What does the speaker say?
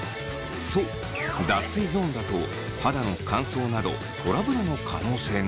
そう脱水ゾーンだと肌の乾燥などトラブルの可能性が。